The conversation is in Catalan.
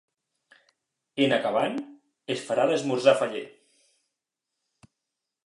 En acabant, es farà l’esmorzar faller.